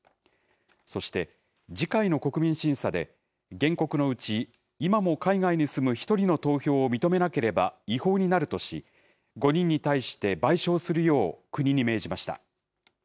そして、次回の国民審査で原告のうち、今も海外に住む１人の投票を認めなければ違法になるとし、５人に対して、賠償するよう国に命じました。